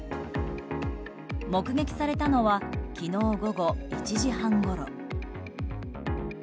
目撃されたのは昨日午後１時半ごろ。